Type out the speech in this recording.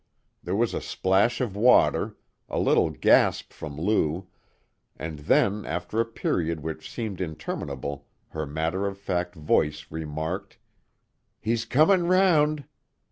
There was a splash of water, a little gasp from Lou, and then after a period which seemed interminable her matter of fact voice remarked: "He's comin' round."